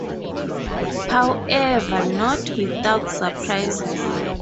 However, not without surprises.